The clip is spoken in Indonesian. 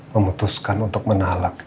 memutuskan untuk menalak